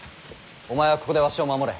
お前はここでわしを守れ。